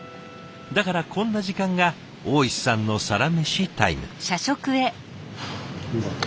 だからこんな時間が大石さんのサラメシタイム。